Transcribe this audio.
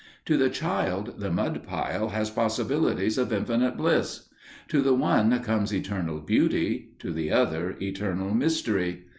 To the child, the mud pile has possibilities of infinite bliss. To the one comes eternal beauty, to the other eternal mystery.